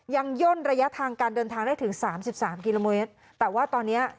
ย่นระยะทางการเดินทางได้ถึงสามสิบสามกิโลเมตรแต่ว่าตอนเนี้ย